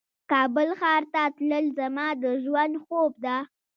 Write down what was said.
کابل ښار ته تلل زما د ژوند خوب ده